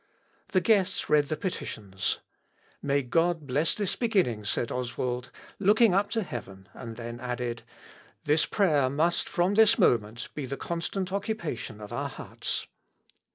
The guests read the petitions. "May God bless this beginning," said Oswald, looking up to heaven, and then added, "This prayer must, from this moment, be the constant occupation of our hearts."